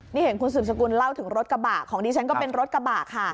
นี่เห็นคุณสืบสกุลเล่าถึงรถกระบะของดิฉันก็เป็นรถกระบะค่ะ